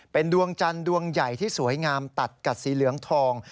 เป็นดวงจันทร์ดวงใหญ่ที่สวยงามตัดกับสีเหลืองทอง